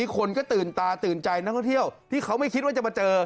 คนก็ตื่นตาตื่นใจนักท่องเที่ยวที่เขาไม่คิดว่าจะมาเจอ